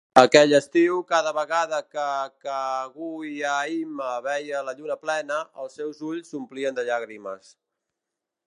Aquell estiu, cada vegada que Kaguya-Hime veia la lluna plena, els seus ulls s'omplien de llàgrimes.